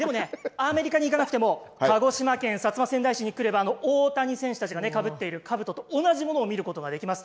アメリカに行かなくても鹿児島県薩摩川内市に来れば大谷選手たちがかぶっているかぶとと同じものを見ることができます。